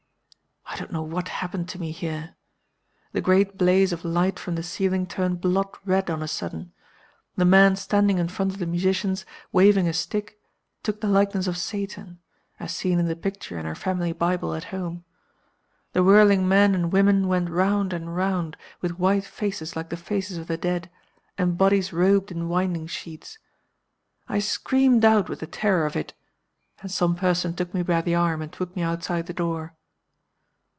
I don't know what happened to me here. The great blaze of light from the ceiling turned blood red on a sudden. The man standing in front of the musicians waving a stick took the likeness of Satan, as seen in the picture in our family Bible at home. The whirling men and women went round and round, with white faces like the faces of the dead, and bodies robed in winding sheets. I screamed out with the terror of it; and some person took me by the arm and put me outside the door.